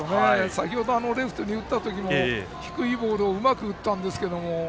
先程、レフトに打った時は低いボールをうまく打ったんですけども。